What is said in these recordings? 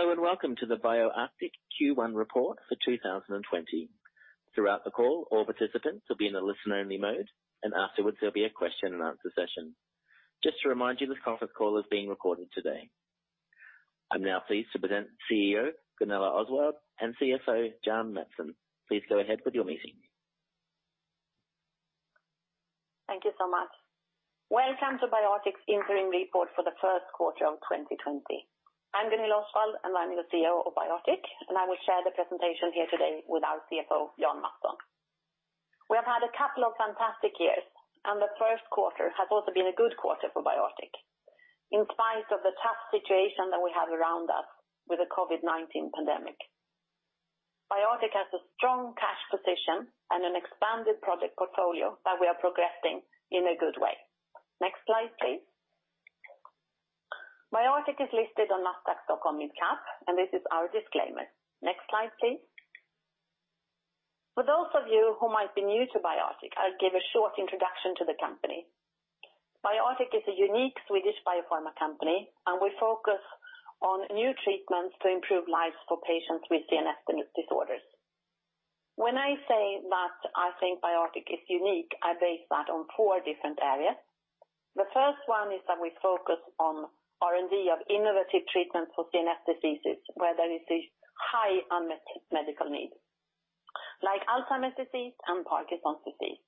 Hello, welcome to the BioArctic Q1 report for 2020. Throughout the call, all participants will be in a listen-only mode, and afterwards, there'll be a question and answer session. Just to remind you, this conference call is being recorded today. I'm now pleased to present CEO, Gunilla Osswald, and CFO, Jan Mattsson. Please go ahead with your meeting. Thank you so much. Welcome to BioArctic's interim report for the 1st quarter of 2020. I'm Gunilla Osswald, I'm the CEO of BioArctic, I will share the presentation here today with our CFO, Jan Mattsson. We have had a couple of fantastic years, the 1st quarter has also been a good quarter for BioArctic. In spite of the tough situation that we have around us with the COVID-19 pandemic. BioArctic has a strong cash position and an expanded project portfolio that we are progressing in a good way. Next slide, please. BioArctic is listed on Nasdaq Stockholm Mid Cap, this is our disclaimer. Next slide, please. For those of you who might be new to BioArctic, I'll give a short introduction to the company. BioArctic is a unique Swedish biopharma company, we focus on new treatments to improve lives for patients with CNS disorders. When I say that I think BioArctic is unique, I base that on four different areas. The first one is that we focus on R&D of innovative treatments for CNS diseases, where there is a high unmet medical need, like Alzheimer's disease and Parkinson's disease.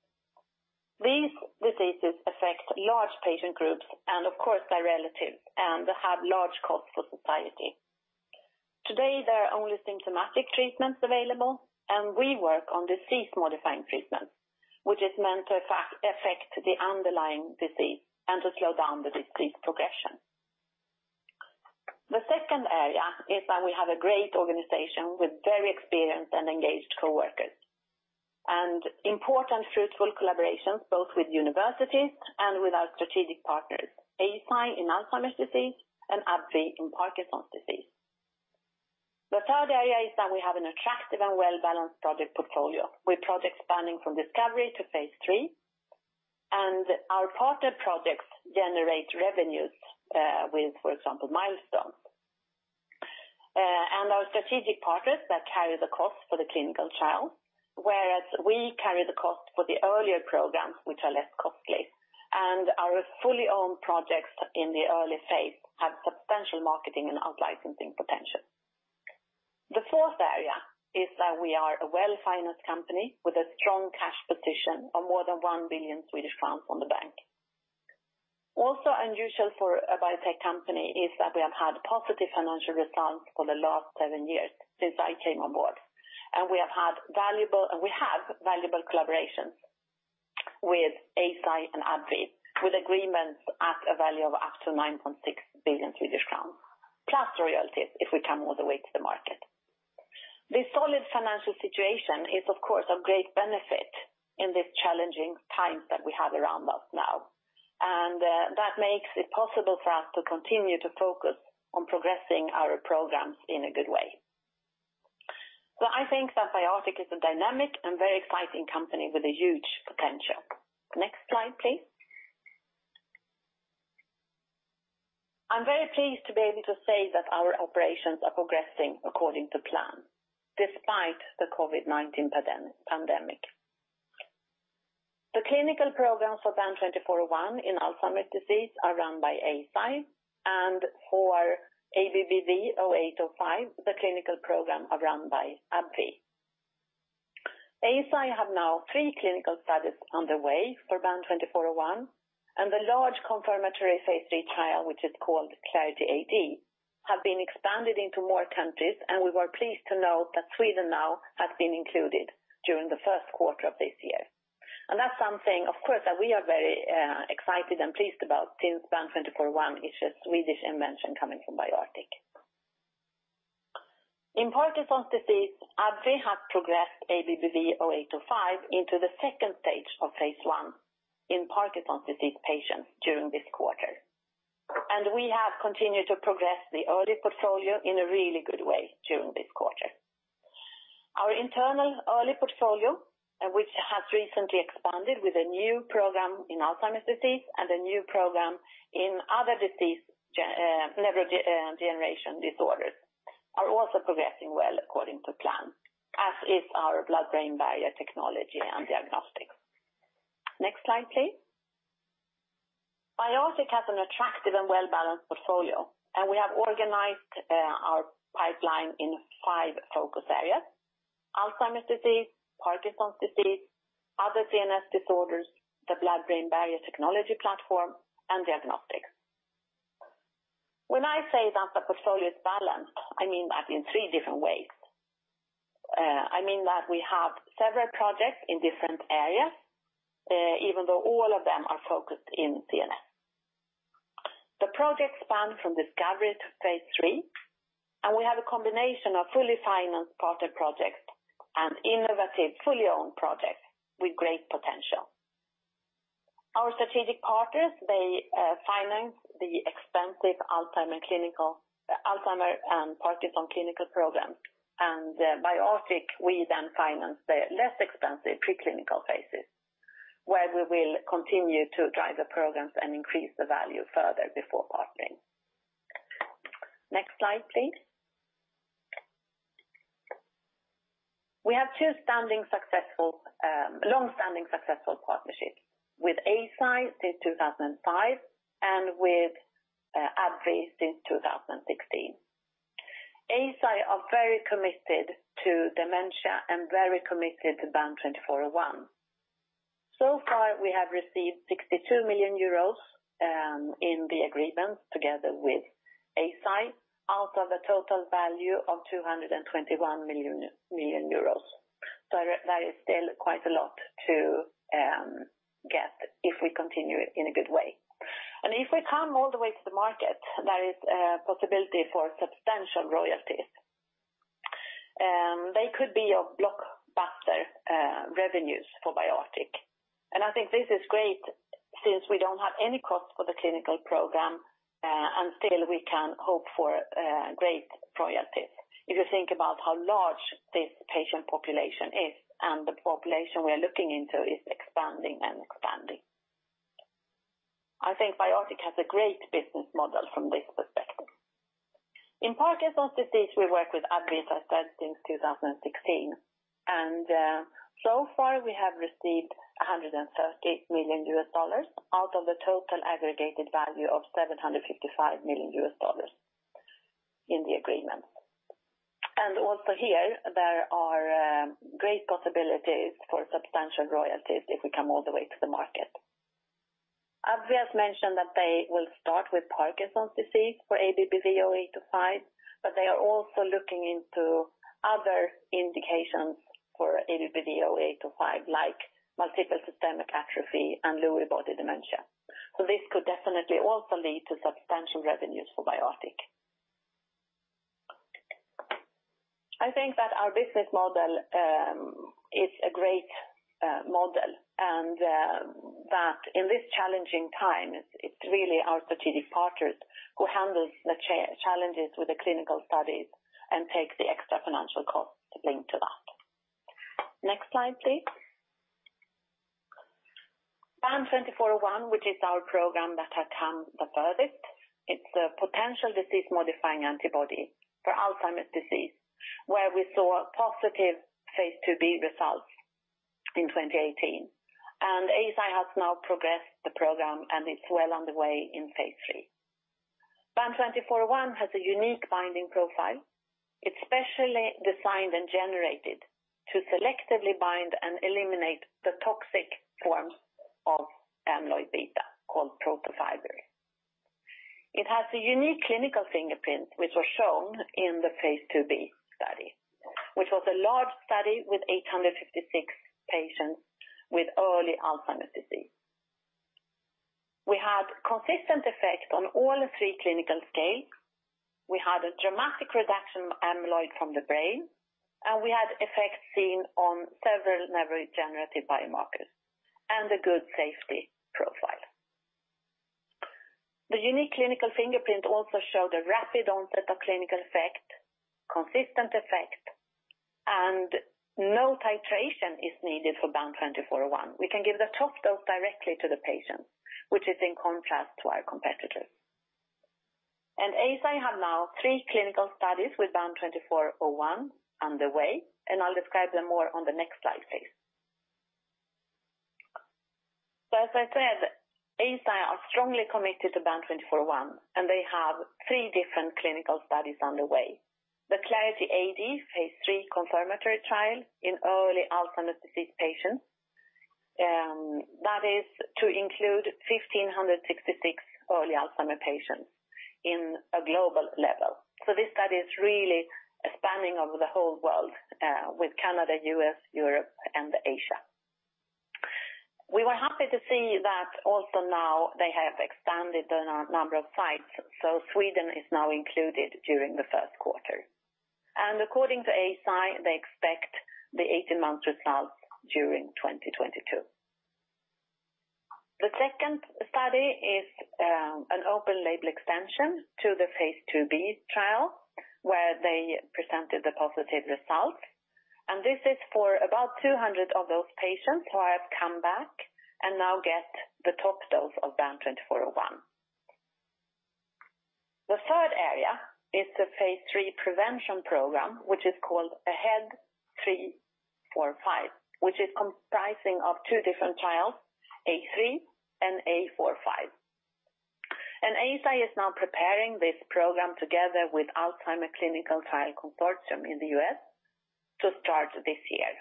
These diseases affect large patient groups, and of course, their relatives, and they have large costs for society. Today, there are only symptomatic treatments available, and we work on disease-modifying treatments, which is meant to effect, affect the underlying disease and to slow down the disease progression. The second area is that we have a great organization with very experienced and engaged coworkers, and important fruitful collaborations, both with universities and with our strategic partners, Eisai in Alzheimer's disease and AbbVie in Parkinson's disease. The third area is that we have an attractive and well-balanced project portfolio, with projects spanning from discovery to phase III, and our partner projects generate revenues, with, for example, milestones. Our strategic partners that carry the cost for the clinical trial, whereas we carry the cost for the earlier programs, which are less costly. Our fully owned projects in the early phase have substantial marketing and out-licensing potential. The fourth area is that we are a well-financed company with a strong cash position of more than SEK 1 billion on the bank. Also unusual for a biotech company is that we have had positive financial results for the last seven years since I came on board, and we have valuable collaborations with Eisai and AbbVie, with agreements at a value of up to 9.6 billion Swedish crowns, plus royalties if we come all the way to the market. The solid financial situation is, of course, of great benefit in this challenging time that we have around us now, that makes it possible for us to continue to focus on progressing our programs in a good way. I think that BioArctic is a dynamic and very exciting company with a huge potential. Next slide, please. I'm very pleased to be able to say that our operations are progressing according to plan, despite the COVID-19 pandemic. The clinical programs for BAN2401 in Alzheimer's disease are run by Eisai, and for ABBV-0805, the clinical program are run by AbbVie. Eisai have now three clinical studies on the way for BAN2401, the large confirmatory phase III trial, which is called Clarity AD, have been expanded into more countries. We were pleased to know that Sweden now has been included during the first quarter of this year. That's something, of course, that we are very excited and pleased about since BAN2401 is a Swedish invention coming from BioArctic. In Parkinson's disease, AbbVie has progressed ABBV-0805 into the second stage of phase I bin Parkinson's disease patients during this quarter. We have continued to progress the early portfolio in a really good way during this quarter. Our internal early portfolio, which has recently expanded with a new program in Alzheimer's disease and a new program in other disease, generation disorders, are also progressing well according to plan, as is our blood-brain barrier technology and diagnostics. Next slide, please. BioArctic has an attractive and well-balanced portfolio. We have organized our pipeline in five focus areas: Alzheimer's disease, Parkinson's disease, other CNS disorders, the blood-brain barrier technology platform, and diagnostics. When I say that the portfolio is balanced, I mean that in three different ways. I mean that we have several projects in different areas, even though all of them are focused in CNS. The project span from discovery to phase III. We have a combination of fully financed partner projects and innovative, fully owned projects with great potential. Our strategic partners, they finance the expensive Alzheimer's clinical, Alzheimer's and Parkinson's clinical programs, and BioArctic, we then finance the less expensive preclinical phases where we will continue to drive the programs and increase the value further before partnering. Next slide, please. We have two long-standing successful partnerships with Eisai since 2005 and with AbbVie since 2016. Eisai are very committed to dementia and very committed to BAN2401. Far, we have received 62 million euros in the agreement together with Eisai, out of a total value of 221 million. There is still quite a lot to get if we continue in a good way. If we come all the way to the market, there is a possibility for substantial royalties. They could be your blockbuster revenues for BioArctic. I think this is great since we don't have any cost for the clinical program, and still we can hope for great royalties. If you think about how large this patient population is, and the population we are looking into is expanding and expanding. I think BioArctic has a great business model from this perspective. In Parkinson's disease, we work with AbbVie, as I said, since 2016, and so far we have received $130 million out of the total aggregated value of $755 million in the agreement. Also here, there are great possibilities for substantial royalties if we come all the way to the market. AbbVie has mentioned that they will start with Parkinson's disease for ABBV-0805, but they are also looking into other indications for ABBV-0805, like multiple system atrophy and Lewy body dementia. This could definitely also lead to substantial revenues for BioArctic. I think that our business model is a great model, and that in this challenging time, it's really our strategic partners who handles the challenges with the clinical studies and takes the extra financial cost linked to that. Next slide, please. BAN2401, which is our program that has come the furthest. It's a potential disease-modifying antibody for Alzheimer's disease, where we saw positive phase II-B results in 2018. Eisai has now progressed the program, and it's well on the way in phase III. BAN2401 has a unique binding profile. It's specially designed and generated to selectively bind and eliminate the toxic form of amyloid beta, called protofibril. It has a unique clinical fingerprint, which was shown in the phase II-B study, which was a large study with 856 patients with early Alzheimer's disease. We had consistent effect on all the three clinical scales. We had a dramatic reduction of amyloid from the brain. We had effects seen on several neurodegenerative biomarkers and a good safety profile. The unique clinical fingerprint also showed a rapid onset of clinical effect, consistent effect. No titration is needed for BAN2401. We can give the top dose directly to the patient, which is in contrast to our competitors. Eisai have now three clinical studies with BAN2401 underway. I'll describe them more on the next slide, please. As I said, Eisai are strongly committed to BAN2401, and they have three different clinical studies underway. The Clarity AD, phase III confirmatory trial in early Alzheimer's disease patients, that is to include 1,566 early Alzheimer patients in a global level. This study is really spanning over the whole world, with Canada, U.S., Europe, and Asia. We were happy to see that also now they have expanded the number of sites, so Sweden is now included during the first quarter. According to Eisai, they expect the 18-month results during 2022. The second study is an open label extension to the phase II-B trial, where they presented the positive result, and this is for about 200 of those patients who have come back and now get the top dose of BAN2401. The third area is the phase III prevention program, which is called AHEAD 3-45, which is comprising of two different trials, A3 and A45. Eisai is now preparing this program together with Alzheimer's Clinical Trials Consortium in the U.S. to start this year.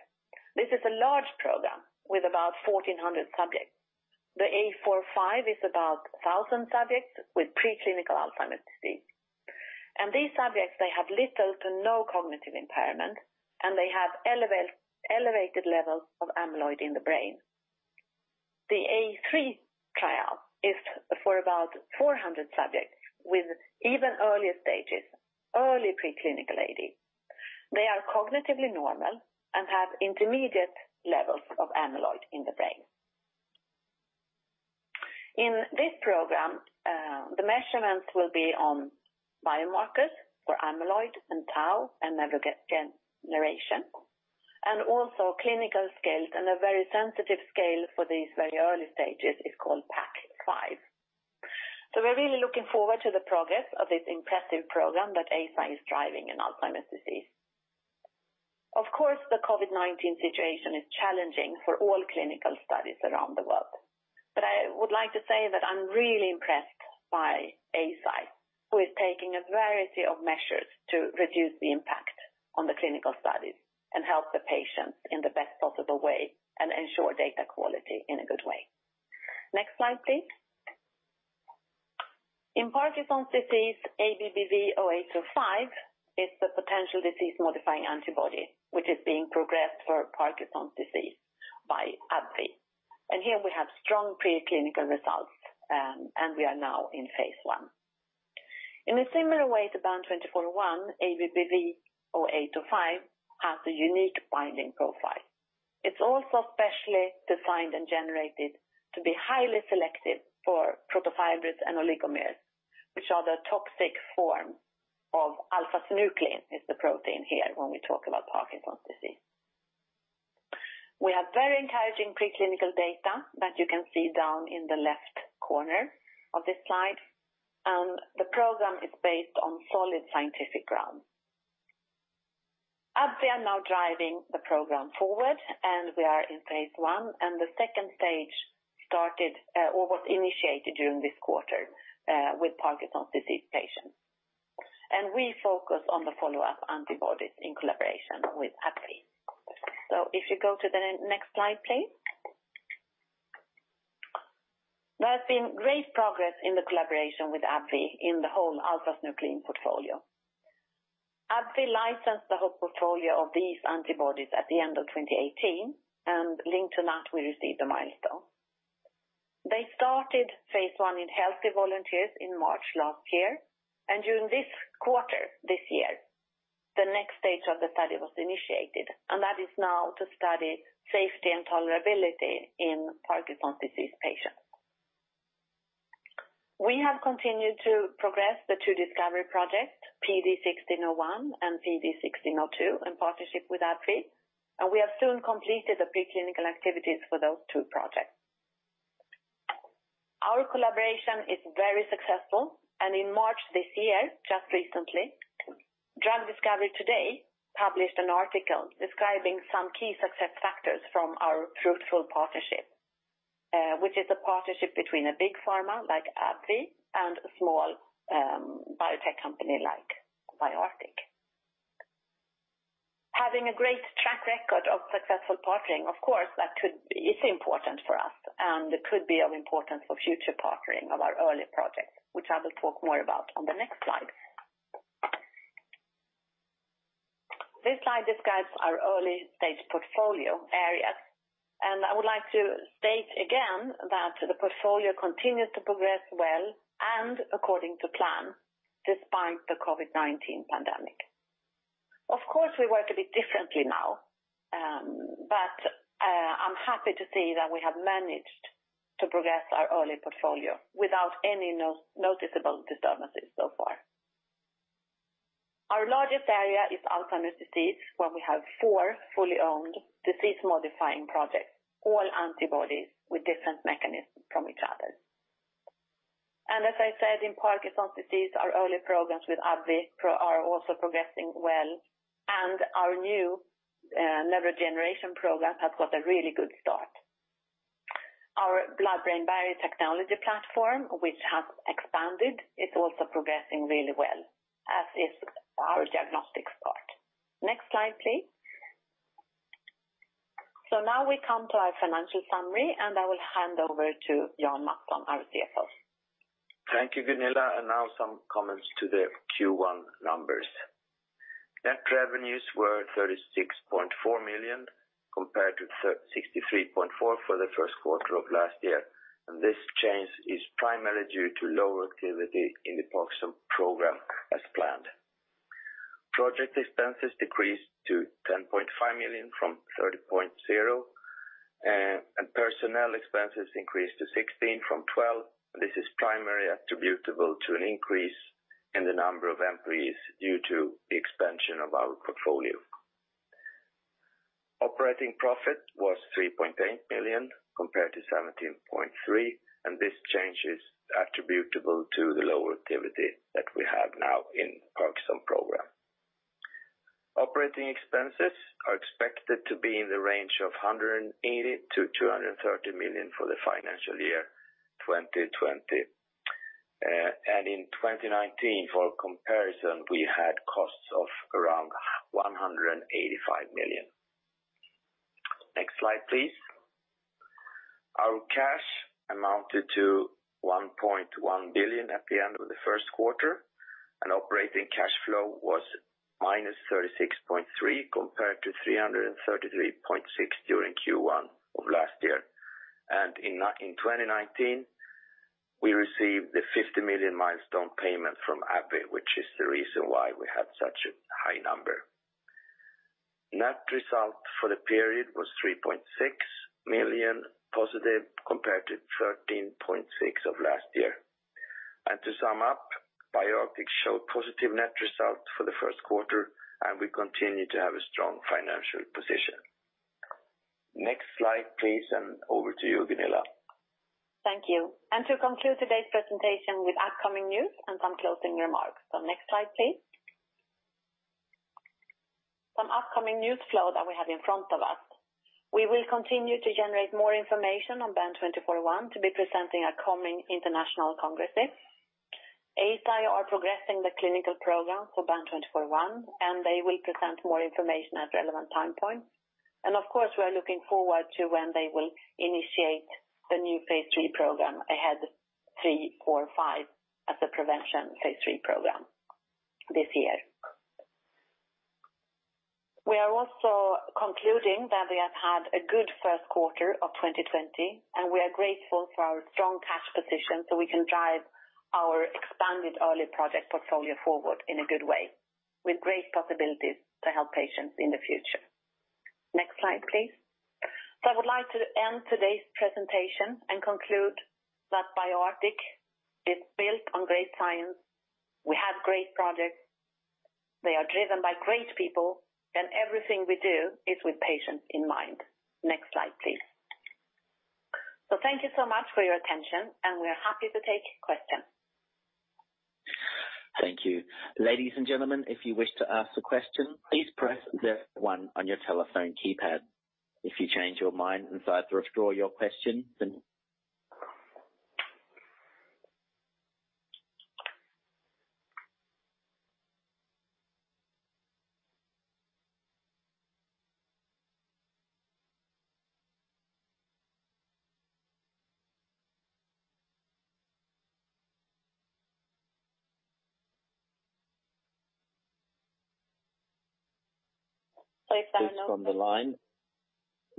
This is a large program with about 1,400 subjects. The A45 is about 1,000 subjects with preclinical Alzheimer's disease. These subjects, they have little to no cognitive impairment, and they have elevated levels of amyloid in the brain. The A3 Trial is for about 400 subjects with even earlier stages, early preclinical AD. They are cognitively normal and have intermediate levels of amyloid in the brain. In this program, the measurements will be on biomarkers for amyloid and tau and neurodegeneration, and also clinical scales, and a very sensitive scale for these very early stages is called PACC5. We're really looking forward to the progress of this impressive program that Eisai is driving in Alzheimer's disease. Of course, the COVID-19 situation is challenging for all clinical studies around the world. I would like to say that I'm really impressed by Eisai, who is taking a variety of measures to reduce the impact on the clinical studies and help the patients in the best possible way and ensure data quality in a good way. Next slide, please. In Parkinson's disease, ABBV-0805 is the potential disease-modifying antibody, which is being progressed for Parkinson's disease by AbbVie. Here we have strong preclinical results, and we are now in phase I. In a similar way to BAN2401, ABBV-0805 has a unique binding profile. It's also specially designed and generated to be highly selective for protofibrils and oligomers, which are the toxic form of alpha-synuclein, is the protein here when we talk about Parkinson's disease. We have very encouraging preclinical data that you can see down in the left corner of this slide, and the program is based on solid scientific ground. AbbVie are now driving the program forward, and we are in phase I, and the second stage started, or was initiated during this quarter, with Parkinson's disease patients. We focus on the follow-up antibodies in collaboration with AbbVie. If you go to the next slide, please. There has been great progress in the collaboration with AbbVie in the whole alpha-synuclein portfolio. AbbVie licensed the whole portfolio of these antibodies at the end of 2018, and linked to that, we received a milestone. They started phase I in healthy volunteers in March last year, and during this quarter, this year, the next stage of the study was initiated, and that is now to study safety and tolerability in Parkinson's disease patients. We have continued to progress the two discovery projects, PD1601 and PD1602, in partnership with AbbVie, and we have soon completed the preclinical activities for those two projects. Our collaboration is very successful, and in March this year, just recently, Drug Discovery Today published an article describing some key success factors from our fruitful partnership, which is a partnership between a big pharma like AbbVie and a small biotech company like BioArctic. Having a great track record of successful partnering, of course, is important for us, it could be of importance for future partnering of our early projects, which I will talk more about on the next slide. This slide describes our early stage portfolio areas, I would like to state again that the portfolio continues to progress well and according to plan, despite the COVID-19 pandemic. Of course, we work a bit differently now, I'm happy to see that we have managed to progress our early portfolio without any noticeable disturbances so far. Our largest area is Alzheimer's disease, where we have four fully owned disease-modifying projects, all antibodies with different mechanisms from each other. As I said, in Parkinson's disease, our early programs with AbbVie are also progressing well. Our new neurodegeneration program has got a really good start. Our blood-brain barrier technology platform, which has expanded, is also progressing really well, as is our diagnostics part. Next slide, please. Now we come to our financial summary. I will hand over to Jan Mattsson, our CFO. Thank you, Gunilla, and now some comments to the Q1 numbers. Net revenues were 36.4 million, compared to 63.4 million for the first quarter of last year, and this change is primarily due to lower activity in the Parkinson's program as planned. Project expenses decreased to 10.5 million from 30.0 million, and personnel expenses increased to 16 million from 12 million. This is primarily attributable to an increase in the number of employees due to the expansion of our portfolio. Operating profit was 3.8 billion, compared to 17.3 billion, and this change is attributable to the lower activity that we have now in Parkinson's program. Operating expenses are expected to be in the range of 180 million-230 million for the financial year 2020. In 2019, for comparison, we had costs of around 185 million. Next slide, please. Our cash amounted to 1.1 billion at the end of the first quarter, and operating cash flow was minus 36.3, compared to 333.6 during Q1 of last year. In 2019, we received the 50 million milestone payment from AbbVie, which is the reason why we had such a high number. Net result for the period was 3.6 million positive compared to 13.6 of last year. To sum up, BioArctic showed positive net results for the first quarter, and we continue to have a strong financial position. Next slide, please, over to you, Gunilla. Thank you. To conclude today's presentation with upcoming news and some closing remarks. Next slide, please. Some upcoming news flow that we have in front of us. We will continue to generate more information on BAN2401 to be presenting our coming international congresses. Eisai are progressing the clinical program for BAN2401, and they will present more information at relevant time points. Of course, we are looking forward to when they will initiate the new phase III program AHEAD 3-45 as a prevention phase III program this year. We are also concluding that we have had a good first quarter of 2020, and we are grateful for our strong cash position, so we can drive our expanded early project portfolio forward in a good way, with great possibilities to help patients in the future. Next slide, please. I would like to end today's presentation and conclude that BioArctic is built on great science. We have great projects. They are driven by great people, and everything we do is with patients in mind. Next slide, please. Thank you so much for your attention, and we are happy to take questions. Thank you. Ladies and gentlemen, if you wish to ask a question, please press one on your telephone keypad. If you change your mind and decide to withdraw your question. Please turn on- From the line.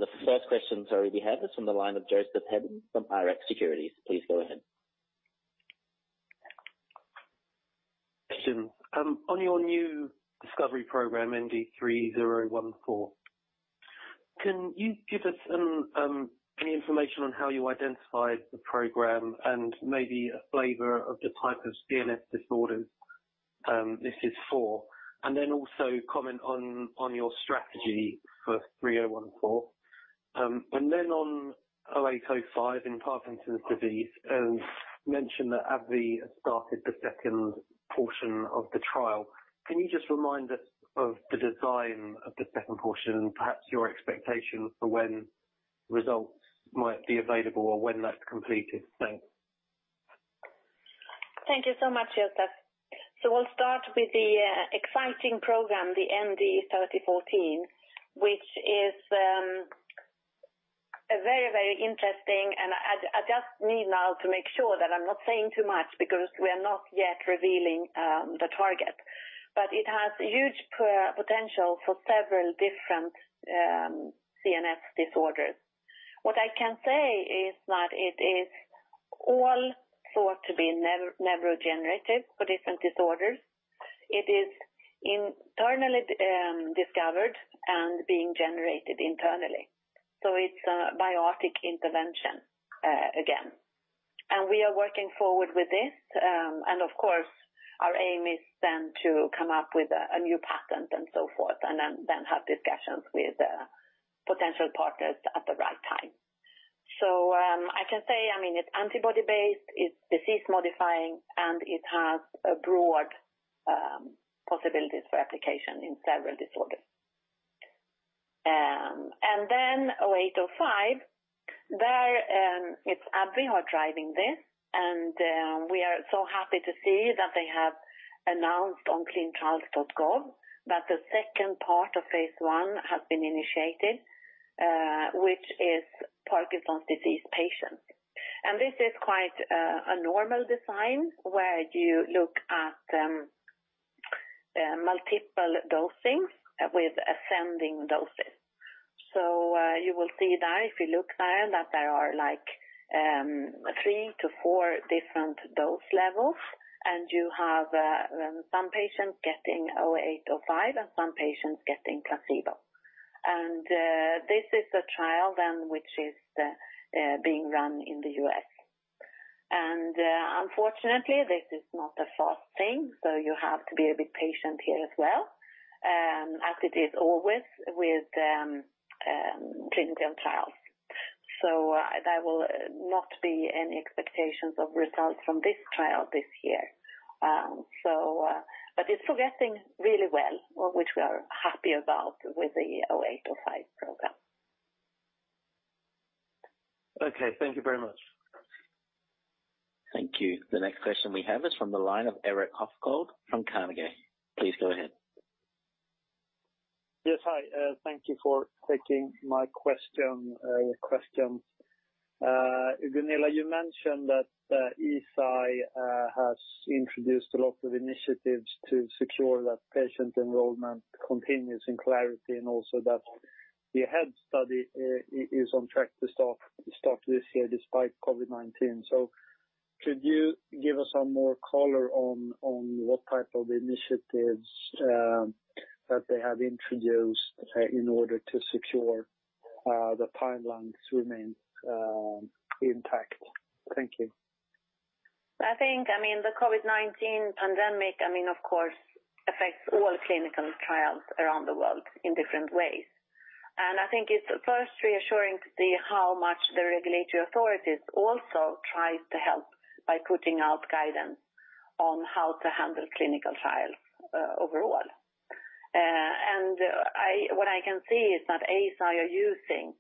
The first question that we have is from the line of Joseph Hedden from Rx Securities. Please go ahead. Question. On your new discovery program, ND3014, can you give us any information on how you identified the program and maybe a flavor of the type of CNS disorders this is for? Also comment on your strategy for 3014. On ABBV-0805 in Parkinson's disease, you mentioned that AbbVie has started the second portion of the trial. Can you just remind us of the design of the second portion, and perhaps your expectation for when results might be available or when that's completed? Thanks. Thank you so much, Joseph. We'll start with the exciting program, the ND3014, which is a very, very interesting and I just need now to make sure that I'm not saying too much because we are not yet revealing the target. It has huge potential for several different CNS disorders. What I can say is that it is all thought to be neurodegenerative for different disorders. It is internally discovered and being generated internally. It's a BioArctic intervention again. We are working forward with this and of course, our aim is then to come up with a new patent and so forth, and then have discussions with potential partners at the right time. I can say, I mean, it's antibody based, it's disease-modifying, and it has a broad possibilities for application in several disorders. ABBV-0805, it's AbbVie are driving this, and we are so happy to see that they have announced on ClinicalTrials.gov that the second part of phase I has been initiated, which is Parkinson's disease patients. This is quite a normal design where you look at multiple dosing with ascending doses. You will see that if you look there, that there are like three to four different dose levels, and you have some patients getting ABBV-0805 and some patients getting placebo. This is a trial which is being run in the U.S. Unfortunately, this is not a fast thing, so you have to be a bit patient here as well, as it is always with, clinical trials. There will not be any expectations of results from this trial this year. But it's progressing really well, which we are happy about with the 0805 program. Okay, thank you very much. Thank you. The next question we have is from the line of Erik Hultgård from Carnegie. Please go ahead. Yes, hi. Thank you for taking my question, questions. Gunilla, you mentioned that Eisai has introduced a lot of initiatives to secure that patient enrollment continues in Clarity, and also that the AHEAD study is on track to start this year despite COVID-19. Could you give us some more color on what type of initiatives that they have introduced in order to secure the timelines to remain intact? Thank you. I think, I mean, the COVID-19 pandemic, I mean, of course, affects all clinical trials around the world in different ways. I think it's first reassuring to see how much the regulatory authorities also tries to help by putting out guidance on how to handle clinical trials overall. What I can see is that Eisai are using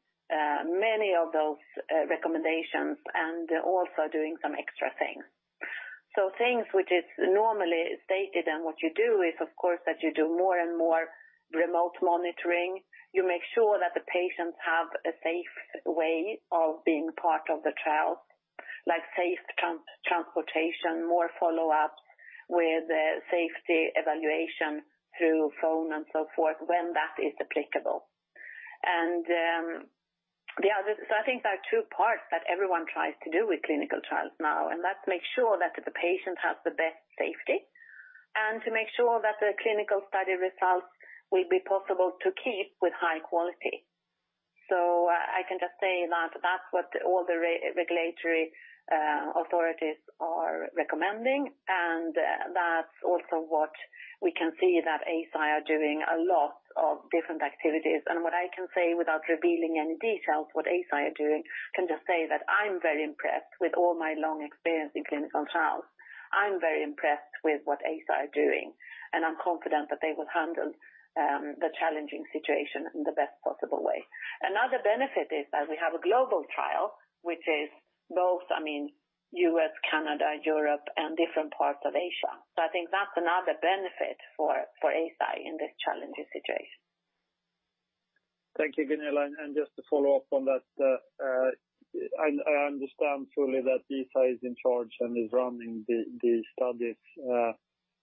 many of those recommendations and also doing some extra things. Things which is normally stated, and what you do is, of course, that you do more and more remote monitoring. You make sure that the patients have a safe way of being part of the trial, like safe transportation, more follow-up with safety evaluation through phone and so forth, when that is applicable. The other... I think there are two parts that everyone tries to do with clinical trials now, and that's make sure that the patient has the best safety, and to make sure that the clinical study results will be possible to keep with high quality. I can just say that that's what all the regulatory authorities are recommending, and that's also what we can see that Eisai are doing a lot of different activities. What I can say without revealing any details, what Eisai are doing, can just say that I'm very impressed with all my long experience in clinical trials. I'm very impressed with what Eisai are doing, and I'm confident that they will handle the challenging situation in the best possible way. Another benefit is that we have a global trial, which is both, I mean, U.S., Canada, Europe, and different parts of Asia. I think that's another benefit for Eisai in this challenging situation. Thank you, Gunilla. Just to follow up on that, I understand fully that Eisai is in charge and is running the studies.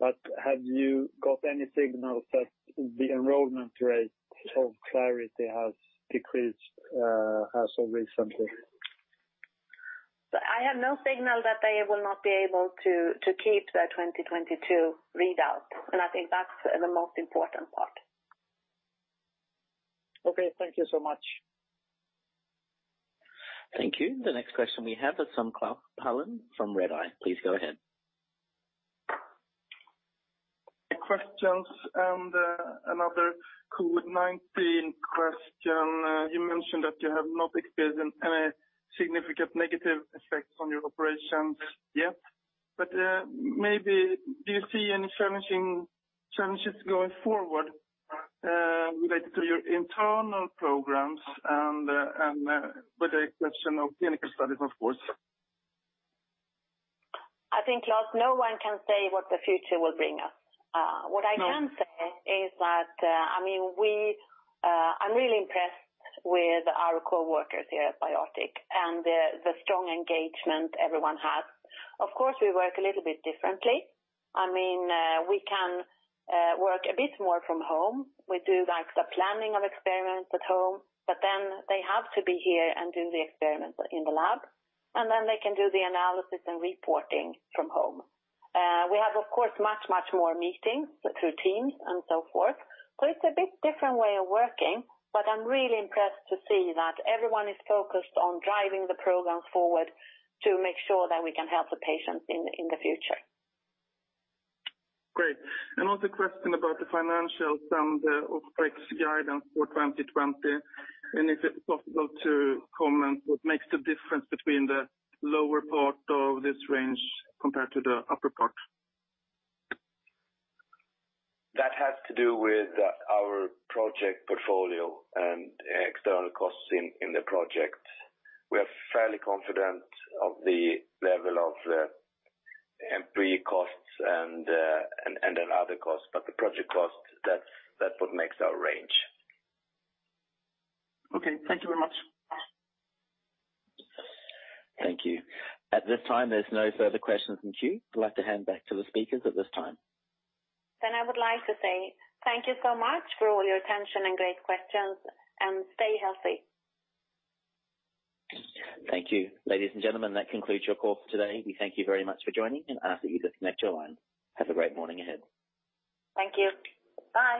Have you got any signals that the enrollment rate of Clarity has decreased as of recently? I have no signal that they will not be able to keep their 2022 readout. I think that's the most important part. Okay, thank you so much. Thank you. The next question we have is from Klas Palin, from Redeye. Please go ahead. Questions. Another COVID-19 question. You mentioned that you have not experienced any significant negative effects on your operations yet, but maybe do you see any challenging challenges going forward, related to your internal programs and with the question of clinical studies, of course? I think, Klas, no one can say what the future will bring us. No. What I can say is that, I mean, I'm really impressed with our coworkers here at BioArctic and the strong engagement everyone has. Of course, we work a little bit differently. I mean, we can work a bit more from home. We do, like, the planning of experiments at home, but then they have to be here and do the experiments in the lab, and then they can do the analysis and reporting from home. We have, of course, much, much more meetings through teams and so forth. It's a bit different way of working, but I'm really impressed to see that everyone is focused on driving the program forward to make sure that we can help the patients in the future. Great. Another question about the financials and the operating guidance for 2020, and if it's possible to comment, what makes the difference between the lower part of this range compared to the upper part? That has to do with our project portfolio and external costs in the project. We are fairly confident of the level of employee costs and other costs. The project costs, that's what makes our range. Okay. Thank you very much. Thank you. At this time, there's no further questions in queue. I'd like to hand back to the speakers at this time. I would like to say thank you so much for all your attention and great questions and stay healthy. Thank you. Ladies and gentlemen, that concludes your call for today. We thank you very much for joining and ask that you disconnect your line. Have a great morning ahead. Thank you. Bye.